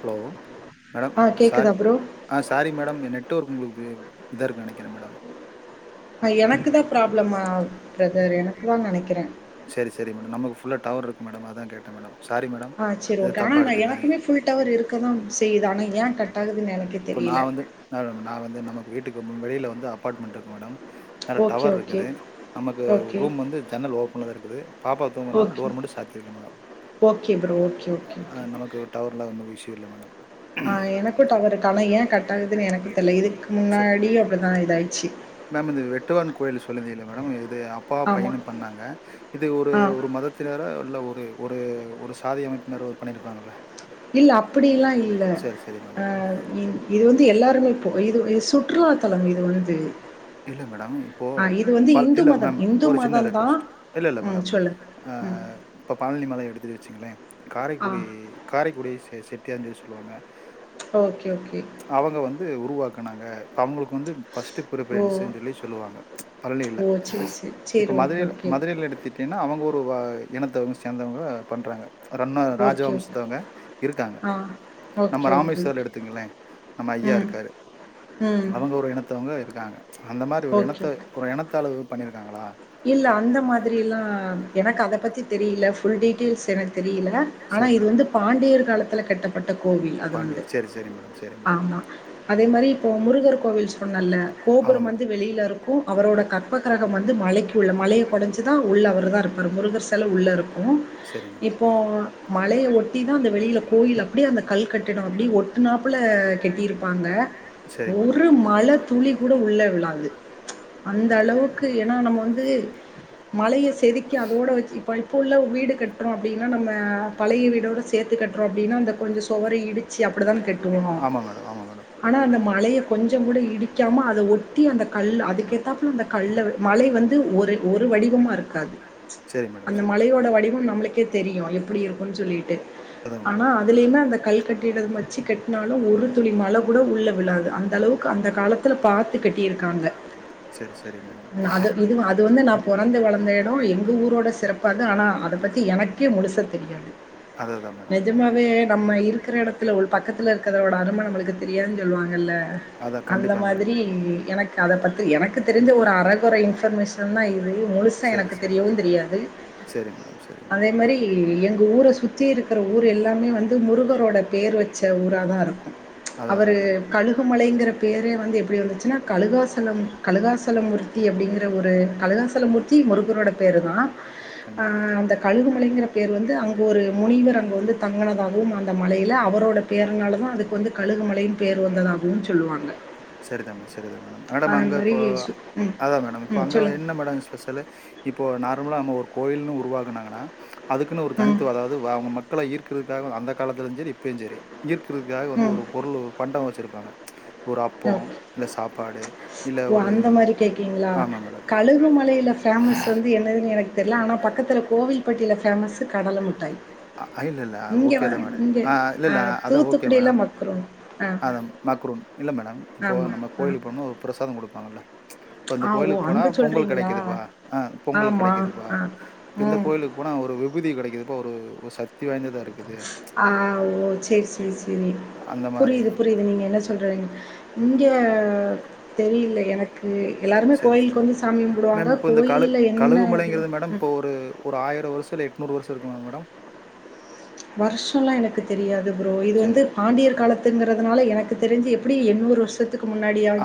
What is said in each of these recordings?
Hello madam ஆ கேக்குதா sorry bro ஆ சாரி மேடம் என் நெட்ஒர்க் உங்களுக்கு இதாருக்கு நினைக்கிறே மேடம் ஆ எனக்கு தா ப்ராப்ளமா பிரதர் எனக்கு தா நினைக்கிறே சேரி சேரி மேடம் நமக்கு ஃபுல்லாக டவர் இருக்கு மேடம் அதா கேட்டே மேடம் சாரி மேடம் ஆ செரி எதுவு ஓகே ஆனா தப்பா நா எடுத்துக்காதீங்க எனக்குமே ஃபுல் டவர் இருக்க தான் செய்யுது ஆனா ஏன் கட்ட் ஆகுதுன்னு எனக்கே இப்போ தெரியலை நா மே நா வந்து நமக்கு வீட்டுக்கு வெளியில் வந்து அப்பார்ட்மெண்ட் இருக்கு மேடம் அதுல ஓகே டவர் ஓகே இருக்குது நமக்கு ஓகே ரூம் வந்து ஜன்னல் ஓபன்ல தான் இருக்குது பாப்பா தூங்கறனால ஓகே டோர் மட்டும் சாத்திருக்கேன் madam okay bro okay okay ஆ, நமக்கு டவர்ல ஒன்னும் இஸ்யு இல்ல மேடம் ஆ எனக்கும் டவர் இருக்கு ஆனா ஏன் கட்ட ஆகுதுன்னு எனக்கும் தெரியல இதுக்கு சரி முன்னாடியு அப்டிதா இத ஆயிடுச்சு மேம் இந்தது வெட்டுவான் கோயில் சொல்லந்தீ இல் மேடம் இது அப்பா ஆமா பையனும் பண்ணாங்க இது ஒரு ஆ ஒரு மதத் தினரா இல்ல ஒரு ஒரு ஒரு சாதி அமைப்பினர பண்ணியிருப்பாங்கள இல்ல அப்டியெல்லா இல்ல மேடம். இது வந்து எல்லாருமே போக இது சுற்றுலாத்தலம் இது வந்து இல்ல மேடம் இப்போ ஆ இது வந்து ப இந்து இல்ல மதம் மேம் இந்து ஒரு சின்ன மதம் தான் ரெவஸ்ட் இல்ல இல்ல ம் மேடம் சொல்லு. ஆ ம். இப்போ பழனி மலை எடுத்துட்டு வச்சிங்களேன் ஆ. காரைக்குடி காரைக்குடி செ செட்டியா சொல்லி சொல்லுவாங்க ஓகே ஓகே அவங்க வந்து உருவாக்குனாங்க அவங்களுக்கு வந்து ஃபர்ஸ்ட் பிரி ஓ! பரன்ஸ் சொல்லி சொல்லுவாங்க ம்ச் பழனில ஓ! சரி, சரி. சரி. இப்ப ஓகே, மதுரையில ஓகே. மதுரையில் எடுத்திட்டு ஏன்னா அவங்க ஒரு வா இனத்தவங்க சேந்தவங்க பண்ணுறாங்க அது இன்னு ராஜ ஓகே, ஓகே. வம்சத்தவங்க இருக்காங்க ஆ. ஓகே, நம்ம ஓகே, ராமேஸ்வரோ ஓகே. எடுத்துங்களேன் நம்ம ஐயா ம். இருக்காரு ம் மத்தவங்க இருக்காங்க ம்ச் அந்த மாதிரி ஒரு ஓகே, இனத்த ஓகே. ஒரு இனத்த அளவு பண்ணிருக்காங்களா இல்ல அந்த மாதிரியெல்லா எனக்கு அத பத்தி தெரியல ஃபுல் டீட்டெயில்ஸ் எனக்கு தெரியல ஆனா சரி இது மேடம் வந்து பாண்டியர் காலத்துல கட்டப்பட்ட கோவில் அது வந்து பாண்டியர் சரி சரி மேடம் சரி மேடம் ஆமா அதே மாதிரி இப்போது முருகர் கோவில் சொன்னேன்ல ஆமா கோபுரம் மேடம் வந்து வெளியில இருக் கும் அவரோடய கற்பகிரகம் வந்து மலைக்கு உள்ள மலையை குடைஞ்சிதான் உள்ள அவர் தான் இருப்பார் முருகர் சில உள்ளே இருக் கும் சரி மேடம் இப்போ மலையை ஒட்டி தா அந்த வெளியில கோயில அப்டி அந்த கல் கட்டிடம் அப்டி ஒட்டு நாப்புல கட்டிருப்பாங்க சரி மேடம் ஒரு மழ துளி கூட உள்ள விழாது ம்ச் அந்த அளவுக்கு ஏன்னா நம்ம வந்து மழைய செதுக்கி அதோட வச்சு இப்ப இப்ப உள்ள வீடு கட்டுறோம் அப்டின்னா நம்ம பழைய வீடோட சேத்து கட்டுறோம் அப்டின்னா அந்த கொஞ்சோ சுவர இடிச்சு அப்டித்தான கட்டுவோம் ஆமா மேடம் ஆமா மேடம் ஆனா அந்த மலைய கொஞ்சோ கூட இடிக்காம அத ஒட்டி அந்த கல் அதுக்கேத்தாப்பல அந்த கல்ல மலை வ ந்து ஒரு ஒரு வடிவமா இருக்காது ம்ச் சரி மேடம் அந்த சரி மேடம் மலையோட வடி வம் நம்மளுக்கே தெரியு எப்டி இருக்கும்ன்னு சொல்லிட்டு அதா மேடம் ஆனா அதுலேயுமே அந்த கல் கட்டிட வச்சு கட்டினாலும் ஒரு துளி மழ கூட உள்ளே விழாது அந்த அளவுக்கு அந்த காலத் தில பாத்துக்கட்டி இருக்காங்க செரி செரி மேடம் நா அதற்கு இது அது இது வந்து நான் பொறந்து வளர்ந்த இடம் எங்கள் ஊரோட சிறப்பாது ஆனா அத பத்தி எனக்கே முழுச தெரியாது அது அதா மேம் நெஜமாவே நம்ம இருக்கிற எடத்துல உள் பக்கத்துல இருக்கரதோட அரும நம்மளுக்கு தெரியான் சொல்லுவாங்கல்ல அதா அந்த கண்டிப்பா மேடம் மாதிரி எனக் அத பற்றி எனக்கு தெரிஞ்ச ஒரு அரகுறை இன்ஃபர்மேஷன் தா இது முழுசா சரி எனக்கு சரி தெரியவு தெரியாது சரி மேடம் சரி அதே மேடம் மாதிரி எங் ஊர சுத்தி இருக்கிற ஊர் எல்லாமே வந்து முருகரோட பேர் வச் ச்ச ஊரா தா இருக்கு அதா அதா அவரு மேடம் கழுகுமலைங்கிற பேரே வந்து எப்படி வந்துச்சுன்னா கழுகாசலம் கழுகாசலம் மூர்த்தி அப்படிங்க ற ஒரு கலகாசலம் மூர்த்தி முருகரோட பேரு தா அ கண்டிப்பா அந்த கழுகுமலைங்கிற பேர் வந்து அங்க ஒரு முனிவர் அங்க வந்து தங்கனதாகவும் அந்த மலையில அவரோட பேர்னால தா அதுக்கு வந்து கழுகு மலைன் பேர் வந்ததாகவு சொல்லுவாங்க சரிதா மே சரிதா மேடம் மேடம் அது அங்க மாரி இப்போ சு ம் அதா மேடம் இப்ப ம் அங்க சொல்லுங்க என்ன மேடம் ஸ்பெஷல்லு இப்போ நார்மல்லா நம்ம ஒரு கோயில்ன்னு உருவாகுனாங்கன்னா அதுக்குன்ன ஒரு ம் தனித்துவ அதாவ து வ அவங்க மக்களை ஈர்க்கிறக்காவு அந்த காலத்துலியு செரி இப்பையு செரி ஈர்க்குறக்காக வந்து ம் ஒரு பொருள் ஒரு பண்டவோ வச்சிருப்பாங்க ஒரு அப்போ ஓகே இல்ல சாப்பாடு இல்ல ஓ ஒரு அந்த மாரி கேக்கிங்களா ஆமா மேடம். கழு கு மலையில ஃபேமஸ்சு வந்து என்னதுன் எனக் தெரில ஆனா பக்கத்தில கோவில்பட்டியில ஃபேமஸ்சு கடல முட்டாய் அ இல்ல, இல்ல. இங்க ஓகே வா தான் மேடம். இங்க ஆ இல்ல, அ தூத்துக்குடியில மக்குறுன் அதாம் மக்ரூன் இல்ல மேடம் இப்போ ஆமா நம்ம ஆ கோயிலுக் போனா பிரசாதம் குடுப்பாங்கல்ல இப்ப இந்த ஆ ஓ கோயிலுக் போனா அங்க பொங்கல் சொல்றீங்களா கிடைக்குதுப்பா ஆ பொங்கல் ஆமா கிடைக்குதுபா ஆ இப்ப இந்த ம் கோயிலுக் போனா ஒரு விபுதி கிடைக்கக்குதுபா ஒரு சத்தி வாய்ந்ததா இருக் ஆ ஓ சேர் சேரி சேரி அந்த மாரி புரியுது புரியுது நீங்க என்ன சொல்றீங் இங்கே தெரியல எனக்கு எல்லாருமே சரி கோயிலுக்கு சரி வந்து சாமி மேம் கும்பிடுவாங்க இப்போ இந்த கழு கோயில்ல என்ன இது கழுகுமலைங்கிறது மேடம் ம். இப்போ ஒரு ஒரு ஆயிர வருஷ இல்ல எட்நூறு வருஷ இருக்குமே மேடம் வருஷல்லா எனக்கு தெரியாது ப்ரோ இது சரி வந்து பாண்டியர் காலத்துங்கிறதுனால எனக்கு தெரிஞ்சு எப்படி எண்ணூறு வருஷத் துக்கு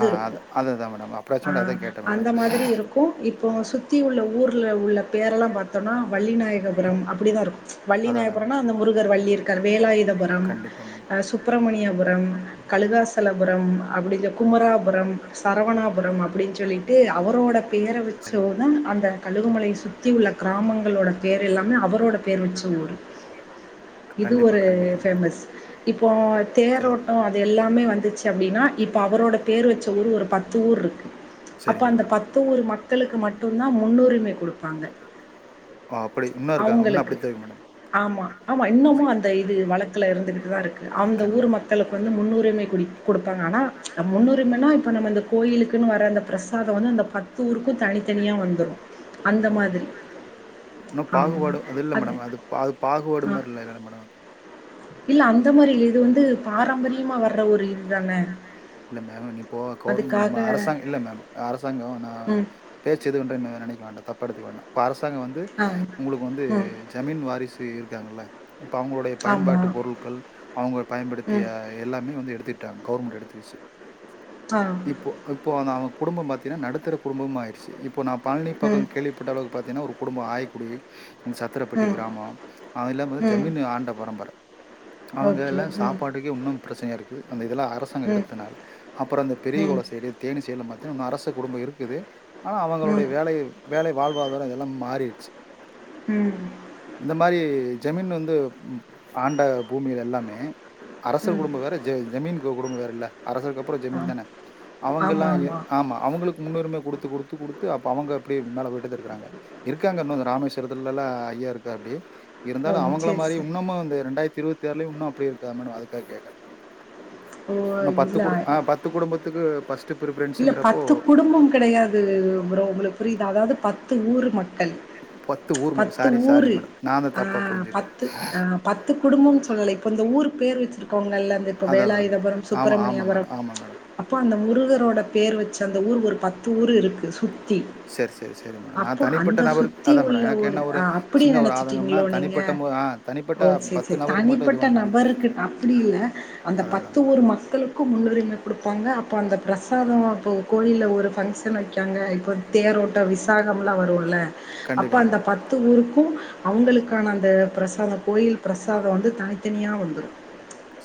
ஆ இருக்கு அது அதுதா மேடம் அ அப்ராக்சிமேட்டா அதா கேட்டே அந்த மேடம் மாதிரி இருக் க்கு இப்போ சுத்தி உள்ள ஊர்ல்ல உள்ள பேர் எல்லா பாத்தோன்னா வள்ளிநாயகபுரம் அப்படிதா இருக்கு வள்ளி அதா அதா மேம் நாயப்புரன்னா அந்த முருகர் வள்ளி இருக்கார் வேலாயுதபுரம் கண்டிப்பா மேடம் ஆ சுப்பிரமணியபுரம் கழுகாசலபுரம் அப்படி இந்த குமராபுரம் சரவணாபுரம் அ ப்படின் சொல்லிட்டு அவரோட பேர சரிங்க வச்சோதா அந்த கழுகுமலை சுத்தி உள்ள கிராமங்களோட பேர் எல்லாமே அவரோட பேர் வச்சு ஊரு இது கண்டிப்பா ஒரு கண்டிப்பா மேடம் ஃபேமஸ் இப்போ சரி தேரோட்டோ அது எல்லாமே வந்துச்சு அப்படின்னா இப்ப அவரோட பேரு வச்ச ஊர் ஒரு பத்து ஊர் இருக்கு அப்ப சரிங்க அந்த மேடம் பத்து ஊருக மக்களுக்கு மட்டுந்தா முன்னூரிமை கொடுப்பாங்க ஓ அப்படி இன்னு இருக்காங்க இன்னு அவுங்களுக்கு அப்படித்தா இருக்கு மேடம் ஆமா ஆமா இன்னமு அந்த இது வழக்குல இருந்துகிட்டுதா இருக்கு அந்த ஊரு கண்டிப்பா மக்களுக்கு வந்து முன்னூரிமை கொ கொடுப்பாங்க ஆனா முன்னுரிமைன்னா இப்போ நம்ம அந்த கோயிலுக்குன்னு வர அந்த பிரசாதோ வந்து அந்த பத்து ஊருக்கு தனித்தனிய வந்துரு அந்த ஓ மாதிரி இன்னு பாகுபாடு அது இல்ல மேடம் அது அது பாகுபாடும் ஆ. மாரி இல்ல மேடம் அது இல்ல அந்த மாரி இது வந்து பாரம்பரியமா வர்ர ஒரு இதுதானே இல்ல மேம் இப்போ கவுர்மெண் நம்ம அரசாங் இல்ல மேம் அரசாங்கோ நா ம். பேச்சு எதுவு [unintelligible] நெனைக்க வேண்டா தப்பா எடுத்துக்க வேண்டா இப்ப அரசாங்க வந்து ஆ. உங்களுக்கு வந்து ம். ஜாமீன் வாரிசு இருக்காங்கள்ள இப்ப அவங்களுடைய ஆமா. பயன்பாட்டு பொருள்கள் அவங்க பயன்படுத்திய ம். எல்லாமே வந்து எடுத்துட்டாங்க கவுர்மெண்ட் எடுத்துகிச்சு ஆ இப்போ இப்போ நா அவுங்க குடும்போ பார்த்தீன்னா நடுத்தர குடும்பம ஆயிருச்சு இப்போ நா பழ்னி பக்கோ ம். கேள் விபட்ட அளவுக்கு பார்த்தீனா ஒரு குடும்போ ஆயிக்குடி சத்திரப்பட்டி ம். கிராமோ அது எல்லாம பாத்த ம். ஜமீனு ஆண்ட பரம்பர அவங்க ஓகே. எல்லா ம். சாப்பாட்டுக்கே இன்னு ப்ரச்சனையா இருக்கு அந்த இதுல அரசு ம் அப்புறோ இந்த பெரிகுளோ ம். சைடு தேனி சைட்லா பாத்த இன்னு அரச குடும்போ இருக்குது ஆனா அவங்களுடைய ம். வேலை வேலை வாழ்வாதாரோ எல்லா மாறிடுச்சு ம் இந்த மாரி ஜமீன் வந்து ஆண்ட பூமியில எல்லாமே அரச ம். குடும்ப வேற ஜ ஜமீன் குடும்ப வேறல்ல அரசருக் அப்றோ ஆ. ஜமீன் தானே அவங்கல்லா ஆமா அவங்களுக் முன்னுரிமை குடுத்து குடுத்து குடுத்து அப்ப அவங்க அப்டி மேல போய்ட்டுதா இருக்குறாங்க இருக்காங்க இன்னு இந்த ராமேஸ்வரத்துலல்லா ஐயா இருக்கா ஆப்டி ஓ! இருந்தாலு அவங்கள சரி, மாரி சரி. உன்னுமு இந்த ரெண்டாயிரத்தி இருவத் ஆர்ல இன்னு அப்டே இருக்கா மேடோ அதுக்க கேக்ற ஓ! இன்னு பத்து குடு இல்ல அ பத்து குடும்பத்துக்கு பஸ் இல்ல பத்து குடும்போ கெடையாது ப்ரோ உங்ளுக் புரிது அதாவது பத்து ஊரு மக்கள் ஊர் ம பத்து சாரி, சாரி ஊரு மேடம். நான் தான் அ தப்பா புரிஞ்சுட்டேன். பத்து அ பத்து குடும்போன் சொல்லலை இப்ப இந்த ஊரு பேர் வச்சிரு க்கோங்கல்ல இந்த இப்போ அதான், அதான். வேலாயுதபுரம் ஆமா, ஆமா சுப்பரமணியபுரம் மேடம். ஆமா மேடம். அப்போ அந்த முருகரோட பேர் வச்சு அந்த ஊரு ஒரு பத்து ஊர் இருக்கு சுத்தி சரி, சரி, சரி மேடம். நான் அப்போ தனிப்பட்ட அந்த நபருக்கு சுத்தி அதான் மேடம். உள்ள எனக்கு ஊரு என்ன ஒரு அ அப்டி சின்ன ஒரு ஆதங்கம்னா, நெனச்சிட்டீங்ளோ நீங்க தனிப்பட்ட மு ஆ தனிப்பட்ட ஓ செரி செரி நபருக்கு மட்டும் இது தனிப்பட்ட பண்ணிட்டாங்க. நபருக்கு அப்டி இல்ல அந்த அதான், அதான் பத்து மேடம். ஊர் மக்கள் முன்னுரிமை குடுப்பாங்க அப்ப அந்த பிரஸ் பிரசாதமு இப்போ கோயில்ல ஒரு ஃபங்க்ஷன் வைக்காங்க இப்போ தேரோட் ட விசாகம்லா வருல அப்ப கண்டிப்பா அந்த மேடம். பத்து ஊருக்கு அவுங்களுக்கான அந்த பிரசாத கோயில் பிரசாத வந்து தனித்தனியா வந்துரு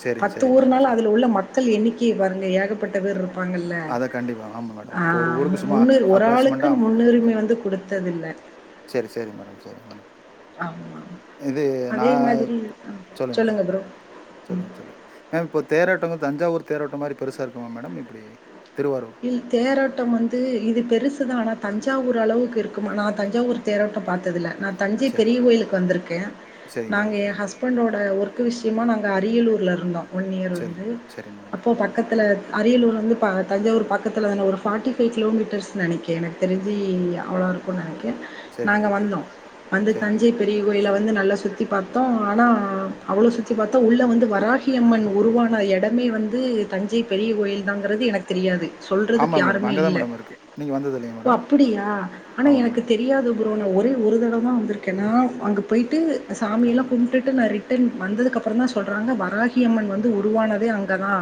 சரிங்க, பத்து சரி ஊர் மேடம். நாளு அதுல உள்ள மக்கள் எண்ணிக்கைய பாருங்க ஏகப்பட்ட பேர் இருப்பாங்கல்ல அத கண்டிப்பா ஆமா மேடம் ஆ இப்போ ஒரு ஊருக்கு சும்மா முன்னு ஒரு அப்ராக்சிமெண்டா ஆளுக்குன் முன்னுரிமை வந்து குடுத்ததில்ல சேரி சேரி மேடம் சேரி மேடம் ஆமா. இது நா அதே மாதிரி அ சொல்லுங்க மேடம் ப்ரோ. ம். சொல்லுங் சொல்லுங் மேம் இப்போ தேரோட்டங்கது தஞ்சாவூர் தேரோட்டம் மாரி பெருசா இருக்குமா மேடம் எப்டி திருவாரூர் இல் தேரோட்டம் வந்து இது பெருசு தா ஆனா தஞ்சாவூர் அளவுக்கு இருக்குமானா நா தஞ்சாவூர் தேரோட்டோ பார்த்ததில்ல நா தஞ்சை செரி பெரியகோயிலுக்கு வந்திருக்கே செரிங்க நாங்க மேடம் எ செரிங்க ஹஸ் பண்டோட ஒர்க்கு விஷ்யமா நாங்க அரியலூர்ல இருந்தோ ஒன் இயர் வந்து செரிங்க செரிங்க மேடம் அப்போ செரிங்க மேடம் பக்கத்துல அரியலூர் வந்து பா தஞ்சாவூர் பக்கத்துல தான ஒரு ஃபாட்டி ஃபைவ் கிலோமீட்டர்ஸ் நெனக்கி எனக் தெரிஞ்சி அவ்ளோ இருக்கு நெனைக்க செரி நாங்க மேடம் வந்தோ வந்து செரி தஞ்சை மேடம் பெரிய கோயில வந்து நல்லா சுத்தி பார்த்தோ ஆனா அவ்ளோ சுத்தி பாத்தோ உள்ள வந்து வரா கி அம்மன் உருவான இடமே வந்து தஞ்சை பெரிய கோயில் தாங்கிறது எனக் தெரியாது சொல்றதுக் ஆமா மேடம் யாருமே அங்கதா இல்ல மேடம் இருக்கு நீங்க வந்தது இல்லையா ஓ மேடம் அப்படியா ஆனா ஆமா எனக்கு மேடம் தெரியாத [unintelligible] ஒரே ஒரு தடவதா வந்திருக்கே நா அங்க போயிட்டு சாமியெல்லா ஆமா கும் டுட்டு நா ரிட்டர்ன் வந்ததுக்கப்புற தா சொல்றாங்க வராகி அம்மன் வந்து உருவானதே அங்க தா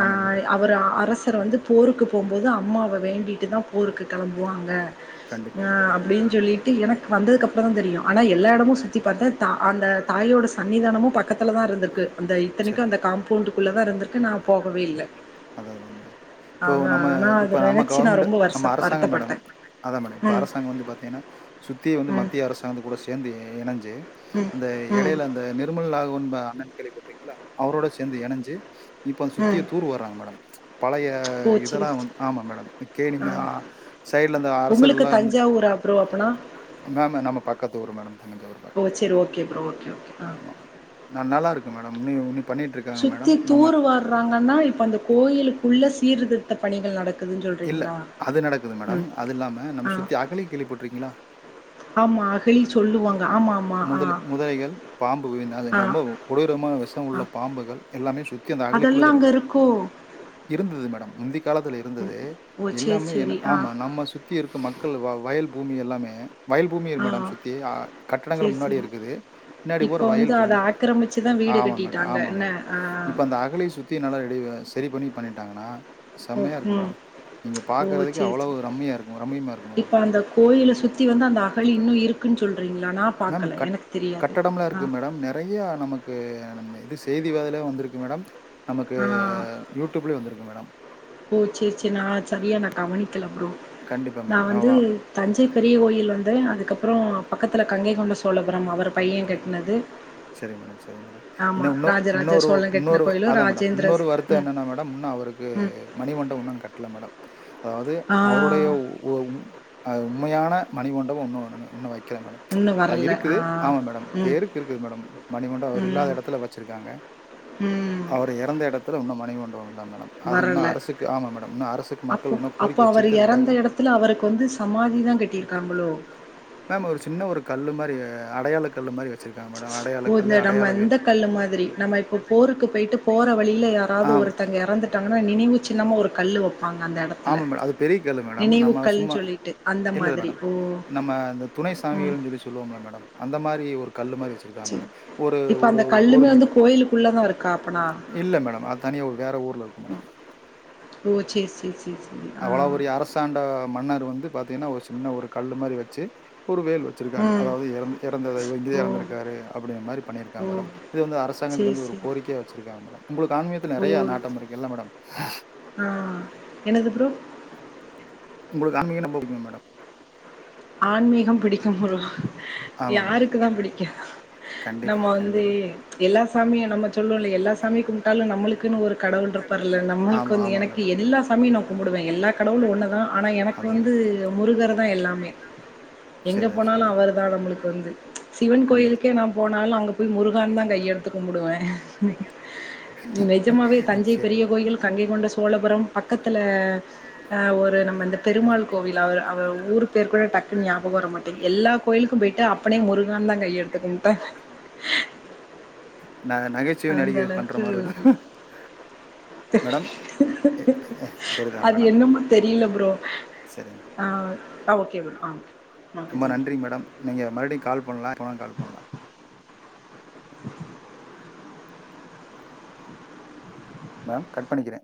ஆ ஆமா மேடம் அவர் அரசர் வந்து போருக்கு போம்போது அம்மாவ வேண்டிட்டு தா போருக்கு கெளம்புவாங்க கண்டிப்பா ஆ மேடம் அப்டின் சொல்லிட்டு எனக் வந்ததுக்கப்புற தா தெரியு ஆனா எல்லா இடமு சுத்தி பாத்த தா அந்த தாயோட சன்னிதானமு பக்கத்துல தா இருந்திர்க்கு அந்த இத்தனைக்கு சரி அந்த காம்பவுண்டுக்குள்ள தா இருந்திருக்கு நா ஓகே போகவே இல்ல அதா அதா மேடம் இப்போ ஆனா நம்ம ஆனா அத இப்ப நம்ம நினைச்சு நான் கவர்மெண்ட்டு ரொம்ப நம்ம வருச அரசாங்கம் மேடம் வருத்தப்பட்டேன். அதா மேடம் இப்ப ம், அரசாங்கம் வந்து பாத்தீங்கனா சுத்தியு வந்து ம். மத்திய அரசாங்கத் கூட சே சேர்ந்து இனஞ்சு ம் அந்த ம் எடையில அந்த அந்த நிர்மல் ராகவன் அண்ணன் கேள்விப்பட்டிருக்கீங்ல அவரோட சேந்து இனஞ்சு இப்ப அங் ம் சுத்தியு தூர் வார்றாங்க மேடம் பழைய ஓ சரி இதெல்லா சரி வந் ஆமா மேடம் ஆ [unintelligible] சைடுல அந்த அரசர் எல்லா வந்து ப்புறோ அப்பனா மேம் நம்ம பக்கத்து ஊரு மேடம் தஞ்சாவூர் ஓ சேரி ஓகே ப்ரோ ஓகே ஓகே ஆ நா நல்லா இருக்க மேடம் [unintelligible] சுத்தி மேடம் நம்ம தூறு வார்றாங்கன்னா இப்ப அந்த கோயிலுக்குள்ள சீர்திருத்த பணிகள் நடக் இல்ல அது நடக்குது மேடம் அது இல்லாம ஆ நம் சுத்தி அகழி கேள்விபட்ருக்கீங்களா ஆமா அகழி சொல்லுவாங்க ஆமா ஆமா ஆ முதலை முதலைகள் பாம்பு ஆ [unintelligible] உயரமான விஷமுள்ள ஆ பாம்புகள் எல்லாமே சுத்தி அந்த அகழிக்குள்ள அதெல்லா தா அங்க இருக்கு இருக்கோ இருந்துது மேடம் முந்தி காலத்துல இருந்தது ஓ சரி எல்லாமே என் சரி ஆ ஆமா நம்ம சுத் சுத்தி இருக்க மக்கள் வ வயல் பூமி எல்லாமே வயல் பூமி இரு ஆ மேடம் சுத்தி அ கட்டடங்கள் சரி முன்னாடி சரி இருக்குது பின்னாடி இப்ப பூரா வந்து வயல் அத பூமி ஆக்கிரமிச்சுதா வீடு ஆமா மேட கட்டிட்டாங்க ஆமா என்ன மேட ஆ இப்ப அந்த அகழி சுத் த்தி நல்லா ரெடி செரி பண்ணி பண்ணிட்டாங்கனா ஓ செம்மையா இருக்கு ம் மேடம் நீங்க ஓ பாக்கறதுக்கு சரி அவ்ளோ சரி ரம்மியா இருக்கு ரம்மியம்மா இருக்கு மேடம் இப்ப அந்த கோயில சுத்தி வந்து அந்த அகழி இன்னு இருக்குன் சொல்றீங்களா நா பாக்கல எனக் தெரியாது ஆ றைய நமக்கு அந்த இது செய்தி வோதல வந்திருக்கு மேடம் நமக்கு ஆ. யூட் ட்யூப்லயு வந்திருக்கு மேடம் ஓ சேர் சேர் நா சரியா நா கவனிக்கல ப்ரோ கண்டிப்பா நா வந்து மேடம் தஞ்சை பெரிய கோயில் வந்து அதுக்கப்புறோ பக்கத்தில கங்கை கொண்ட சோழபுரம் அவரு பைய கட்டினது செரி மேடம் செரி மேடம் என்ன [unintelligible] ராஜராஜ வுன்னொரு சோழன் கட்டுன வுன்னொரு கோயிலும், அதா மேடம் ராஜேந்திர ஸ் வுன்னொரு வருத்த ம், என்னனா மேடம் வுன்னு அவருக்கு ம். மணிமண்டபோ வுன்னு கட்ல மேடம் அதாவுது ஆ. அவருடைய உ ஒ உன் அ உண்மையான மணிமண்டவோ வுன்னு வுன்னு வெக்கல மேடம் இன்னும் அ வரல. ஆ. இருக்குது ஆமா மேடம் ம், பேருக்கு இருக்குது மேடம் மணிமண்டபோ அவர் ம், இல்லாத எடத்துல வெச்சுருக்காங்க ம். அவரு எறந்த எடத்தில வுன்னு மணிமண்டபம் இல்ல மேடம் அது வுன்னு வரல. அரசுக்கு ஆமா மேடம் இன்னு அரசுக்கு மக்கள் இன்னு கோரிக்க வெச்சுட் தா இருக்கறாங்க த்துல அவருக்கு வந்து சமாதி தா கட்டிருக்காங்களோ மேம் ஒரு சின்ன ஒரு கல்லு மாரி அடையாள கல்லு மாரி வெச்சிருக்காங்க மேடம் ஓ! அடையாள இந்த கல்லு நம்ம அடையாள வே இந்த கல்லு மாத்ரி நம்ம இப்போ போருக்கு போய்ட்டு போற வழியில ஆ யாராவது ஒருத்தங்க இறந்துட்டாங்கனா நினைவு சின்னமா ஒரு கல்லு வெப் ஆமா மேடம் அது பெரியக்கல்லு மேடம் நம்ம அது கல்ன்னு சும்மா சொல்லிட்டு. அந்த இல்லல மாதிரி. மேடம் ஓ! நம்ம இந்த துணை ம். சாமிகள்ன் சொல்லி சொல்லுவோம்ல மேடம் அந்த மாரி ஒரு கல்லு மாரி வெச் சிருக்கா சரி. மேடம் ஒரு இப்ப ஒரு அந்த ஒரு கல்லுமே வந்து மீட்டர் கோயிலுக்குள்ள தான் இருக்கா அப்பனா? இல்ல மேடம் அது தனிய ஒர் வேற ஊர்ல இருக்கு மேடம் ஓ சேர் சேர் சே அவளோ பெரிய அரசாண்ட மன்னர் வந்து பாத்தேனா ஒரு சின்ன ஒரு கல்லு மாரி வெச்சு ஒரு வேல் வெச்சிருக்காங்க ம். அதாவது இறந் இறந்தது ஓ! இறந்திருக்காரு அப்படின்ற மாதிரி பண்ணியிருக்காங்க ஓ! மேடம் இது வந்து அரசாங்கத்துக் சரி, வந்து ஒரு சரி. கோரிக்கையா வெச்சிருக்காங்க மேடம் உங்குளுக்கு ஆன்மீகத்துல ஓ! நெறைய நாட்டம் இருக்கு இல்ல மேடம் ஆ என்னது ப்ரோ உங்களுக்கு ஆன்மீக ரொம்ப பிடிக்கு மேடம் ஆன்மீகம் பிடிக்கும் ப்ரோ ஆமா மேடம் யாருக்கு தா பிடிக்கா கண்டிப்பா நம்ம வந்து கண்டிப்பா எல்லா சாமியு நம்ம சொல்லு இல்ல எல்லா சாமியு கும்ப்ட்டாலு நம்மளுக்குன்னு ஒரு கடவுள் இருப் வரல நம்மளுக்கு ஆமா வந்து ஆமா எனக்கு மேடம் ப்பார்ல எல்லா சாமியு நா கும்பிடுவே எல்லா கடவுளு ஒன்னு தா ஆனா எனக்கு அதுதா வந்து முருகர் தா எல்லாமே எங்க சரிதா போனாலு சரிதா அவர் தா நம்மளுக்கு வந்து சிவன் கண்டிப்பா கோயிலுக் கே நா போனாலு அங்க போய் முருகானு தா கையெடுத்து கும்புடுவே நீ நெஜமாவே தஞ்சை சரி பெரிய மேடம் கோயில் கங்கை கொண்ட சோழபுரம் பக்கத்துல அ ஒரு நம்ம வந்து பெருமாள் கோவில் அவர் அவர் ஊருக் பேர் கூட டக்குனு ஞாபக வர மாட்டேங்க எல்லா கோயிலுக்கு போயிட்டு அப்பனே முருகானு தா கையெடுத்து கும்ப்ட்ட நா நகைச்சுவை அந்த நடிகை பண்ற அளவுக்கு மாரி இருக்கு மேடம் எ எ சரிதா அது மேடம் என்னமோ தெரியல ப்ரோ சரிங்க ஆ ஓகே மேம் ஆ ஓகே ரொம்ப தேங்க்யூ நன்றி மேடம் நீங்க மறுபடியு கால் பண்ணலா எப்பனா கால் பண்ணலா [inaudible] மேம் கட் பண்ணிக்கிறே